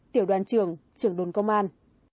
tiểu đoàn trưởng trưởng đồn công an